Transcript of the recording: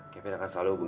kevin akan selalu hubungi